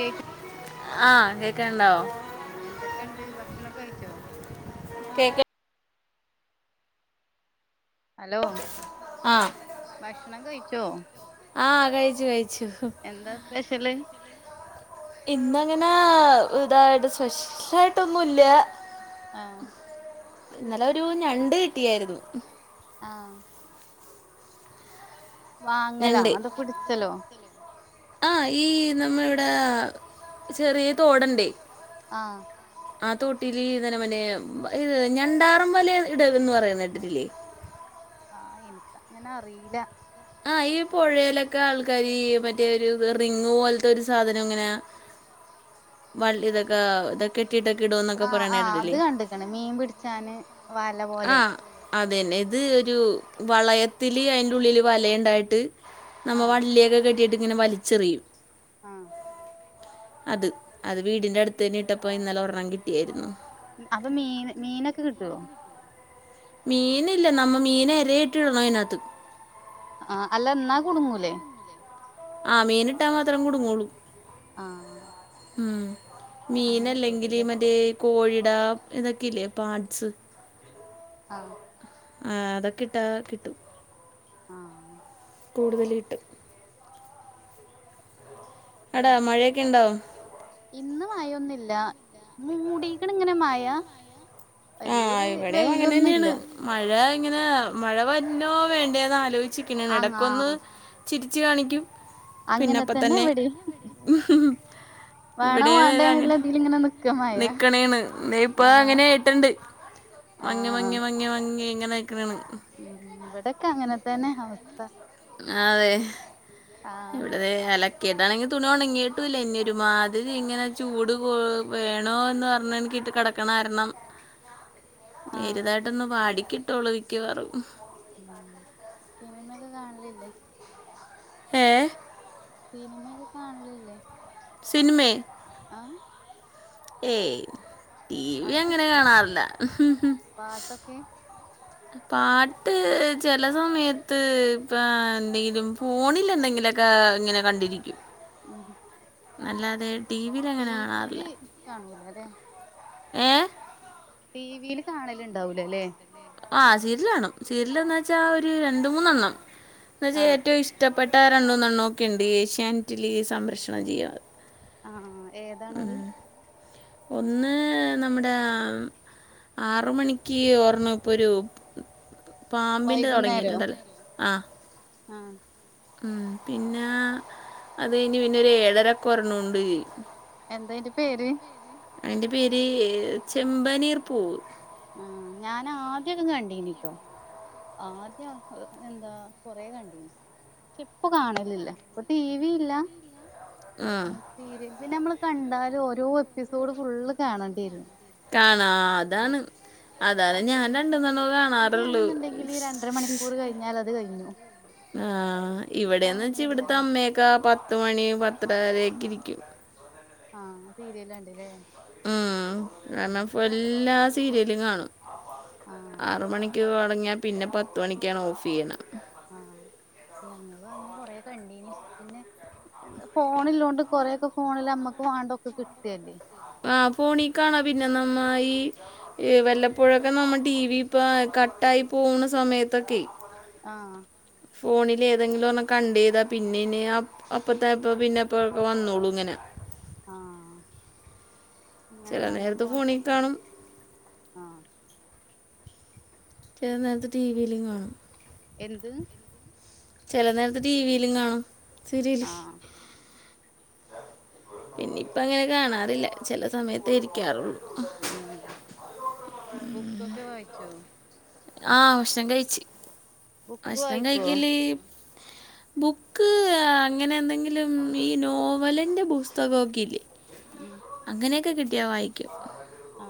ആ ആ കേക്കണ്ടാവോ എന്തൊക്കെണ്ട് ഭക്ഷണൊക്കെ കഴിച്ചോ കേക്ക ഹലോ ആ ഭക്ഷണം കഴിച്ചോ ആഹ് കഴിച്ചു കഴി എന്താ സ്പെഷ്യല് ഇന്നങ്ങനെ ഇതായിട്ട് സ്പെഷ്യൽ ആായിട്ടൊന്നും ല്ല്യ ആഹ് ഇന്നലെ ഒരു ഞണ്ട് കിട്ടിയായിരുന്നു ആഹ് വാങ്ങല അത് പിടിച്ചലോ ആഹ് ഈ നമ്മ ഇവിടെ ചെറിയ തോട്ണ്ട് ആഹ് ആ തോട്ടില് ഇ [unintelligible] നെ മറ്റെ ഈ ഞണ്ടാറും വലെ ഇടലിന്ന് പറയുന്നേ ട്ടിട്ടില്ലേ ആഹ് എനിക്കങ്ങനെ അറീല ആഹ് ഈ പൊഴേലൊക്കെ ആൾക്കാര് മറ്റേ ഒരു റിംഗ് പോലത്തെ ഒരു സാധനം ഇങ്ങനെ വൾ ഇതൊക്കെ ഇതൊക്കെ ഇട്ടിട്ടൊക്കെ ഇടുമെന്നൊക്കെ ആഹ് പറയണ ആഹ് അത് കേട്ടിട്ടില്ലേ കണ്ടക്കണ് മീൻ പിടിച്ചാന് വ ല പോലെ അതെന്നെ ഇത് അത് ഒരു വളയ തില് അതിൻ്റെ ഉള്ളിൽ വലയുണ്ടായിട്ട് നമ്മ ആഹ് വള്ളിയൊക്കെ കെട്ടിട്ട് അങ്ങനെ വലിച്ചെറിയും ആഹ് അത് അത് വീടിന്റെ അടുത്തന്നിട്ടപ്പോ ഇന്നലെ ഒരണ്ണം കിട്ടിയായിരുന്നു അപ്പൊ മീൻ മീനൊക്കെ കിട്ടുവോ മീനില്ല നമ്മ മീന് എര ഇട്ടി ഇടണം അയിനകത്ത് ആഹ് അല്ല എന്നാ കുടുങ്ങൂലേ ആ മീനിട്ടാ മാത്രം കുടുങ്ങൂളൂ ആഹ് ഉം അങ്ങനെ മീനല്ലെങ്കില് കിട്ടൊള്ളൂല്ലേ മറ്റെ കോഴി എന്താ ഇതൊക്കെല്ലേ പാർട്സ് ആഹ് ആഹ് അതൊക്കെ ഇട്ടാ കിട്ടും ആഹ് കൂടുതല് കിട്ടും എടാ വേറെന്തൊക്കെ മഴയൊക്കെ ഉണ്ടാവും ഇന്ന് മയൊന്നില്ല മൂടീക്ക്ണ് ഇങ്ങനെ മയാ ആഹ് ഇവിടേം അങ്ങനെന്നേണ് മഴാ ഇങ്ങനെ മഴ വര്ണോ വേണ്ടേന്ന് ആലോയി ചിക്കണേണ്. അങ്ങാ എടക്കൊന്ന് ചിരിച്ച് കാണിക്കും. പിന്നെ അങ്ങനെ തന്നെ അപ്പത്തന്നെ ഇവിടിം വേണോ ഇവിടെ അതെ വേണ്ടേന്നുള്ള [unintelligible] ഇതിൽ ഇങ്ങനെ നിക്ക മഴ നിക്കണേണ് ദെ ഇപ്പ ആഹ് അങ്ങനെ ഏയിട്ട്ണ്ട് മങ്ങി ആഹ് മങ്ങി മങ്ങി മ ങ്ങിങ്ങനെ ഉം, ഇവടെ ക്ക അങ്ങനെ തന്നെ അവസ്ഥ ആഹ് ഇവിടതേ ലക്കിയതാണെങ്ങി തുണി ഒണ ങ്ങീട്ടുംല്ല ഇന്നി ഒരു മാതിരി ഇങ്ങനെ ചൂട് കൂ വേണോ എന്ന് പറഞ്ഞ എനിക്കിട്ട് കെടക്കണാരണം ആഹ് വെരുതായിട്ട് ഒന്ന് വാടി കിട്ടോളൂ വിക്കവാറും ഉം സിനിമയോക്കെ കാണലില്ലേ ഏ സിനിമയൊക്കെ കാണലില്ലേ സിനിമേ ആഹ് ഏയ് ടി വി അങ്ങനെ അതിഷ്ടല്ല കാണാറില്ല പാട്ടൊക്കെ പാട്ട് ചെല സമയത്ത് ഇപ്പ എന്തെങ്കിലും ഫോണിൽ എന്തെങ്കിലൊക്കെ ഇങ്ങനെ കണ്ടിരിക്കും ഉം അല്ലാതെ വിയിൽ ടി അങ്ങനെ വിയില് കാണൂല ല്ലേ ഏഹ് ടിവില് കാണല് ഉണ്ടാവൂലല്ലേ ആഹ് സീരിയൽ കാണും സീരിയൽന്ന് വെച്ചാ ഒരു രണ്ട് മൂന്നെണ്ണം എന്നുച്ച ആഹ് ഏറ്റോം ഇഷ്ടപ്പെട്ട ട്ട രണ്ടുന്നണ്ണോക്കെ ഒണ്ട് ഏഷ്യൻറ്റിലീ സംരക്ഷണം ചെയ്യാണത് ആഹ് ഏതാണത് ഒന്ന് നമ്മുടെ ആറുമണിക്ക് ഓർണ ഇപ്പൊ ഒരു പാമ്പിന്റെ വൈകുന്നേരോ തൊടങ്ങിട്ടുണ്ടല്ലേ ആഹ് ആഹ് ഉം പിന്നെ അത് കഴിഞ്ഞ് പിന്നെ ഒരു ഏഴരക്ക് ഒരെണ്ണം ഒണ്ട് എന്താ അയിന്റെ പേര് അയിന്റെ പേര് ചെമ്പനീർ പൂവ് ആഹ് ഞാൻ ആദ്യം ഒക്കെ കണ്ടീനിട്ടോ ആദ്യ എന്താ കൊറ കണ്ടീന് ക്ഷെ ഇപ്പൊ കാണലില്ല ഇപ്പൊ ടി വി ഇല്ല ആ സീരില് പിന്നെ നമ്മള് കണ്ടാലും ഓരോ എപ്പിസോഡ് ഫുള്ള് കാണേണ്ടിവരും കാണാം അതാണ് അതാണ് അത് ഞാൻ പിന്നെ രണ്ടോന്നനാണവെ കാണാറുള്ളു സിനിമയാണെന്നുണ്ടെങ്കിൽ രണ്ടര മണിക്കൂർ കഴിഞ്ഞാൽ അത് കഴിഞ്ഞു ആ ഇവിടേന്ന് വെച്ചാ ഇവിടത്തെ ഇതങ്ങനെയല്ലല്ലോ അമ്മയൊക്കെ പത്തുമണി പത്തരവരേക്കിരിക്കും ഹാ സീരിയലാണ്ട്ല്ലേ മ്മ് [unintelligible] സീരിയലും കാണും ആഹ് ആറ് മണിക്ക് കാ ണാൻ തൊടങ്ങിയ പിന്നെ പത്ത് മണിക്കാണ് ഓഫ് ചെയ്യണെ ആ ഞങ്ങളു അങ്ങനെ കൊറേ കണ്ടീനി പിന്നെ ഫോണ്ള്ളോണ്ട് കൊറെയൊക്കെ ഫോണില് അമ്മക്ക് വേണ്ടൊക്കെ കിട്ട് അല്ലേ ആ ഫോണി കാണാം പിന്നെ നമ്മ ഈ വല്ലപ്പോഴൊക്കെ നമ്മ ടി വി ഇപ്പം കട്ടായി പോവണ സമയത്തൊക്കേ ആ ഫോണില് ഏതെങ്കിലും ഒരെണ്ണം കണ്ടെയ്താ പിന്നെനീ അപ്പ് അപ്പത്തെപ്പാ പിന്നെപ്പഴക്കൊ വന്നോളും ഇങ്ങനെ ആഹ് ഇങ്ങനെ ചില നമ്മക്ക് നേരത്ത് വാണ്ടെ ഫോണിൽ കാണും ഹാ ചെല നേരത്ത് ടിവിയിലും കാണും എന്ത് ചെല നേരത്ത് ടിവിയിലും കാണും. സീരിയല്. ആഹ് പിന്നെ ഇപ്പങ്ങനെ കാണാറില്ല ചെല സമയത്തേ ഇരിക്കാറുള്ളൂ. ഉം ബുക്കൊക്കെ വായിച്ചോ ആ ഭക്ഷണം കഴിച്ച്. ബുക്ക് ഭക്ഷണം വായിക്കോ കഴിക്കല് ബുക്ക് അങ്ങനെ എന്തെങ്കിലും ഈ നോവലിന്റെ പുസ്തക ഒക്കെ ഇല്ലേ ഉം അങ്ങനെയൊക്കെ കിട്ട് കിട്ട്യാ വായിക്കും. ആ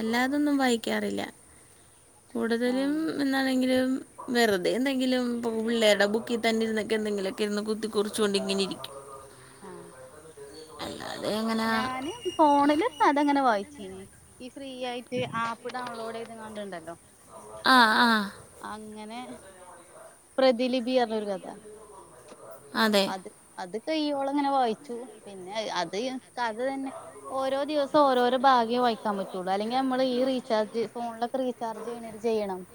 അല്ലാതൊന്നും വായിക്കാറില്ല. കൂടുതലും ആഹ് എന്നാലെങ്കിലും വെറുതെ എന്തെങ്കിലും ഇപ്പൊ പിള്ളേരുടെ ബുക്കി തന്നെ ഇരുന്നൊക്കെ എന്തെങ്കിലുമൊക്കെ ഇരുന്ന് കുത്തി കുറിച്ച് ക്കൊണ്ട് ഇങ്ങനെ ഇരിക്കും. ആ- [inaudible] അങ്ങനെ ഞാന് ഫോണില് കഥ ഇങ്ങനെ വായി ക്കും ഈ ഫ്രീ ആയി- ദീ ആപ്പ് ഡൗൺലോഡെയ്ത് കാണ്ട്ണ്ടല്ലോ ആ ആ ആങ്ങ് അങ്ങനെ പ്രതിലിപി അത് ഒരു കഥ- അതെ അത് അത്- ഇവള്ങ്ങനെ വായിച്ചു പിന്നെ അത് യ്യ് കഥ തന്നെ ഓരോ ദിവസോം ഓരോരോ ഭാഗ്യെ വായിക്കാൻ പറ്റുള്ളൂയല്ലെങ്കിൽ നമ്മള് ഈ റീചാർജ് ഫോണിലൊക്കെ റീചാർജ് ചെയ്യണാരി ചെയ്യണം-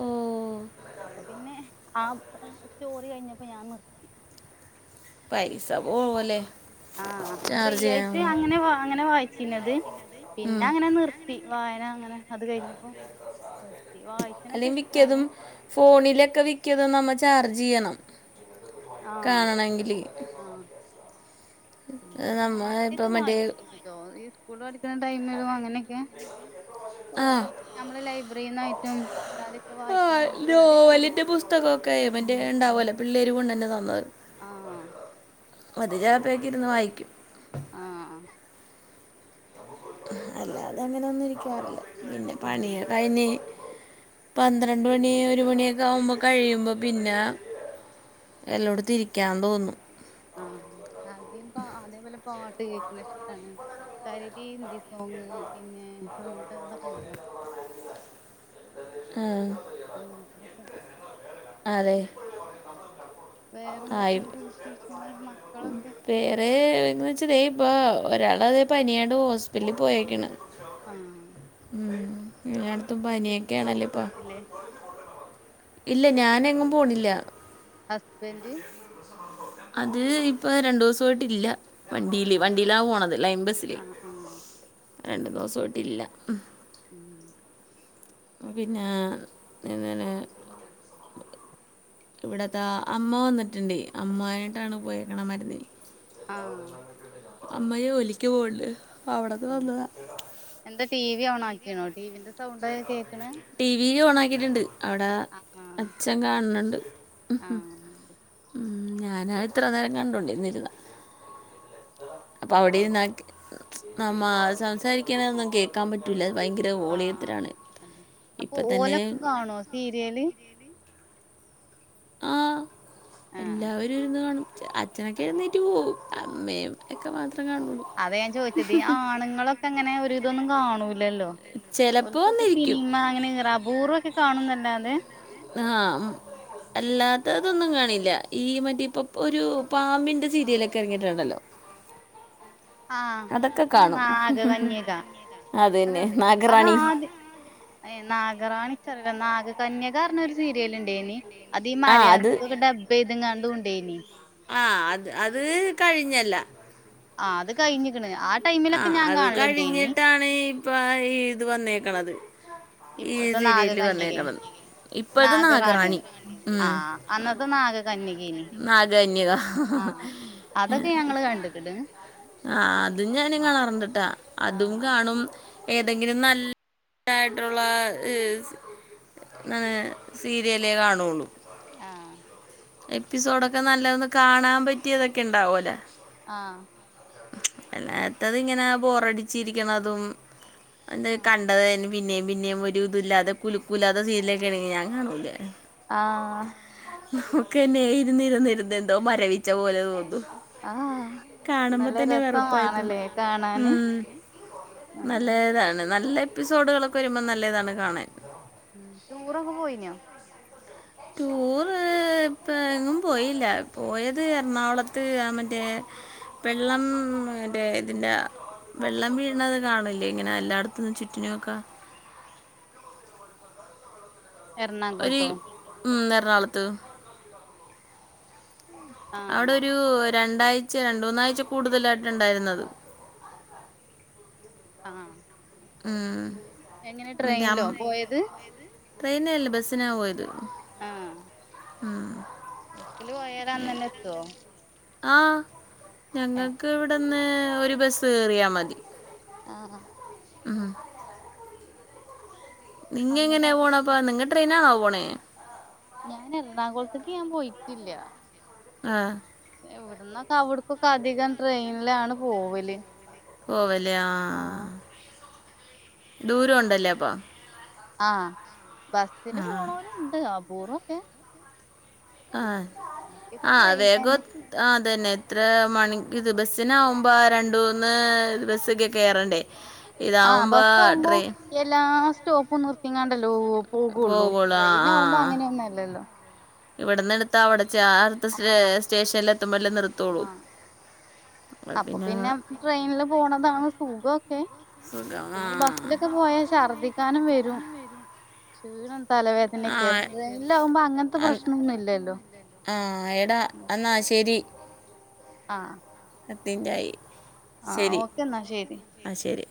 ഓ- അപ്പ പിന്നെ ആ സ്റ്റോറി കഴിഞ്ഞപ്പോ ഞാൻ നിർത്തി- പൈസ പോവ്വല്ലേ? ആഹ് ഫ്രീ ആയിട്ട് അങ്ങനെ വ അങ്ങനെ വായിച്ചിനത് പിന്നെ അങ്ങനെ നിർത്തി- വായന അങ്ങനെ- അത് കഴിഞ്ഞപ്പോ നിർത്തി അല്ല വായിക്കാനൊക്കെ ഇഷ്ടാണ് മിക്കതും ഫോണിലൊക്കെ വിക്കതും നമ്മ ചാർജ് ചെയ്യണം- ആഹ് കാണണമെങ്കിൽ ആഹ് നമ്മ ആദ്യൊക്കെ ഇപ്പം മറ്റേ വായിച്ചിട്ടോ ഈ സ്കൂൾ [unintelligible] ട്ക്കണ ടൈമിലും അങ്ങനെ- ക്കെ ആ കൊറേ നമ്മള് ലൈബ്രറിന്നായിട്ടും അല്ലാതെയൊക്കെ ആ, വായിക്കണ ആദ്യൊക്കെ ഭയങ്കര നോവലിൻ്റെ ഇഷ്ടാണ്- പിന്നെ വന്നര് അത് ചിലപ്പൊക്കെ ഇരുന്ന് വായിക്കും ആഹ് അല്ലാതെ അങ്ങനൊന്നും ഇരിക്കാറില്ല പിന്നെ ആഹ് പണിയാ കൈഞ്ഞി പന്ത്രണ്ട് മണി ഒരു മണിയൊക്കെ ആകുമ്പോ കഴിയുമ്പോ പിന്നെ വെല്ലോട്ത്തും ഇരിക്കാൻ തോന്നും ആഹ് ആദ്യം പ അതേപോലെ പാ ട്ട് കേക്കണ ഇഷ്ടാണ് കാര്യായിട്ട് ഈ ഹിന്ദി സോങ് പിന്നെ അങ്ങ അതൊക്കെ ഇണ്ടല്ലോ ആഹ് അങ്ങൻത്തതൊക്കെ അതെ ആയ് വേറെന്തൊക്കെയുണ്ട് വിശേഷങ്ങൾ മക്കളൊക്കെ വേറെ ന്ന് വെച്ച പ്പൊ ഒരാള് ദേ പനിയായോണ്ട് ഹോസ്പിറ്റലിൽ പോയേക്കാണ് ആഹ് ഉം എല്ലട്ത്തും ഹസ്ബൻഡ് പനിയൊക്കെയാണല്ലേ ജോലിക്ക് ഇപ്പ പോയിട്ടില്ലേ ഇല്ല ഞാനെങ്ങും പോണില്ല ഹസ്ബന്റ് അത് ഇപ്പൊ രണ്ടു ദിവസയിട്ല്ല വണ്ടിയില് ആഹ് വണ്ടിയിലാ പോണത് ലൈൻ ബസില് ആഹ് ആഹ് രണ്ടു ദിവസവായിട്ടില്ല ഉം പിന്നെ [unintelligible] ഇവിടത്തെ അമ്മ വന്നിട്ട്ണ്ട് അമ്മായായിട്ടാണ് പോയക്കണത് മരന്ന ആഹ് [unintelligible] അമ്മ ജോലിക്ക് പോണ്ട് ഉഎന്താ ടി വി ഓണ ആ ണാ ടി വി ഓണാ ട്ടിണ്ട് അവിടെ ആഹ് അച്ഛൻ കാണന്ന്ണ്ട് ആഹ് ഞനാ ഇത്ര നേരം കണ്ടൊണ്ടിരുന്നിരുന്നാ അപ്പൊ ആഹ് അവിടെയും ന്നാ നമ്മ സംസാരിക്കണൊന്നും കേൾക്കാൻ പറ്റൂല ഭയങ്കര ഓളിയം ആ അതെ അപ്പൊ ഓലൊക്കെ കാണോ സീരിയല് ആ ആഹ് എല്ലാവരും ഇരുന്ന് കാണും അച്ഛാ അച്ഛനൊക്കെ ആഹ് എഴുന്നേറ്റു പോകും അമ്മയെ ക്കെ മാത്രം കാണുള്ളൂ അതാ ഞാൻ ചോദിച്ചത് ആണുങ്ങളൊക്കെ അങ്ങനെ ഒരു വിതമൊന്നും കാണൂ ല്ലല്ലോ ചിലപ്പോ ഓർക്കൊക്കെ വന്നിരിക്കും സിനിമ അങ്ങനെ അപൂർവം ഒക്കെ കാണുന്ന അല്ലാതെ ആ അല്ലാത്തതൊന്നും കാണില്ല ഈ മറ്റേ ഇപ്പൊ ഒരു പാമ്പിന്റെ സീരിയലൊക്കെ എറങ്ങിട്ടൊണ്ടല്ലോ ആ ഇപ്പം നാഗകന്യക അത് തന്നെ അതല്ലേ അത് നാഗറാണി ആദ്യ നാഗറാണി നിക്കറിയില്ല നാഗ കന്യകാ പറഞ്ഞ് ഒരു സീരിയൽ ഉണ്ടേന് അത് ഈ ആ അത് മലയാളത്തേക്ക് ഒക്കെ ഡബ് ചെയ്തുകൊണ്ട അതും ഉണ്ടേനി ആ അത് അത് കഴിഞ്ഞല്ല ആ അത് കഴിഞ്ഞേക്കണ് ആ അത് കഴിഞ്ഞിട്ടാണ് ഇപ്പം ഇത് വന്നേ ക്കണത് ഈ ഇപ്പത്തെ സീരിയല് നാഗകന്യകേ വന്നേക്കണത് ഇപ്പോ അത് നാഗറാണിയോ നാഗറാണി ഉം ആഹ് അന്നത്തെ നാഗകന്യകേനി നാഗകന്യക ആഹ് അതൊക്കെ ഞങ്ങള് കണ്ട്ക്ക്ണ് ആ അതും ഞാനും ആഹ് കാണാറുണ്ട് ട്ടോ അതും കാണും ഏതെങ്കിലും നല്ലതായിട്ടുള്ള ഹ് സി സീരിയലേ കാണോള്ളൂ ആ എപ്പിസോഡൊക്കെ നല്ലതൊന്ന് കാണാൻ പറ്റിയതൊക്കെ ഉണ്ടാവൂ ലോ ആ അല്ലാത്തതു ഇങ്ങനെ ബോറടിച്ച് ഇരിക്കണതും അന്നേ കണ്ടതായാലും പിന്നെയും പിന്നെയും ഒരു ഇതുല്ലാതെ കുലുക്കമില്ലാതെ സീരിയലൊക്കെ ആണെങ്കി ഞാൻ കാണൂല്ല ആ ക്കന്നെ ഇരുന്നിരുന്നിരുന്ന് എന്തോ മരവിച്ച പോലെ തോന്നും ആഹ് കാണുമ്പോ നല്ല തന്നെ വെറുപ്പായിതോന്നും രസമാണല്ലേ കാണാന് ഉം ആഹ് നല്ലതാണ് നല്ല എപ്പിസോഡുകളൊക്കെ വരുമ്പോൾ നല്ലതാണ് കാണാൻ മ് ടൂറൊക്കെ പോയിനോ ടൂറ് ഇപ്പ എങ്ങും പോയില്ല പോയത് എറണാകുളത്ത് മറ്റേ വെള്ളം മറ്റേ ഇതിന്റെ വെള്ളം വീഴണത് കാണില്ലേ ഇങ്ങനെ എല്ലായിടത്തും ചുറ്റിനുവേ ക്കെ എർണാകുളത്തോ നാളത്തത് അവിടെ ആഹ് ഒരു രണ്ടാഴ്ച രണ്ടൂ നാഴ്ച കൂടുതലായിട്ടുണ്ടായിരുന്നത് ആ ആഹ് എങ്ങനെ ട്രെയിനിലോ പോയത് ട്രെയിനെ അല്ലേ ബസ്സിനാ പോയത് ആ ആ [unintelligible] അന്ന് തന്നെ എത്തുവോ ആഹ ഏഹ് ഞങ്ങൾക്ക് ഇവിടെ ഒന്ന് ഒരു ബസ് എറിയാ മതി ആഹ ഉം നിങ്ങ അങ്ങനെ എങ്ങനെയാ അവിടെ പോകണ അപ്പ നിങ്ങ ട്രെയിനാണാവോ പോണേ ഞാൻ എറണാകുളത്തേക്ക് ഞാൻ പോയിട്ടില്ല ആഹ ഇവിടന്നൊക്കെ അവിടക്കൊക്കെ അധികം ട്രെയിനിലാണ് പോവല് പോവല ആ ദൂരം ഉണ്ടല്ലേ അപ്പ ആഹ ബസ്സിന് പോണ പോല ഇണ്ട് പോര വക്കെ ആഹ ആ് ട്രെയിനെന്നെ വേഗം ആ തന്നെ എത്ര മണി ഇത് ബസ്സിനാവുമ്പോ രണ്ട മൂന്ന് ബസ്സൊക്കെ കയറണ്ടേ ആഹ് ഇതാവുമ്പോൾ ബസ്സ ഉുമ്പോ ട്രെയിൻ എല്ലാ ോപ്പ് നിർത്തിങ്ങാണ്ടല്ലോ പോകുള്ളൂ ട്രെയിന ആവുമ്പോ അങ്ങനെയ ഒന്നും അല്ലല്ലോ ഇവിടന്ന് എടുത്ത് അവിടെ ചാർത്ത ആഹ് സ്റ്റേഷനിൽ എത്തുമ്പോ എല്ലേ നിർത്തോളൂ ആഹ് അപ്പൊ പിന്നെ ട്രെയിനിില് പോണതാണ് സുഖമൊക്കെ സുഖം ആ പിന്നെ ഈ ബസ്സിലൊക്കെ പോയാ ഛർദിക്കാനും വരും ശ ആ തലവേദനൊക്കെ ഇല്ലാവുമ്പോ അങ്ങനത്തെ അൻ- പ്രശ്നൊന്നും ഇല്ലല്ലോ ആ എടാ എന്നാ ആഹ് പത്തിൻറ്റായി ആഹ് ശരി ഓക്കെ എന്നാ ശരി ആ ശരി